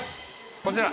◆こちら。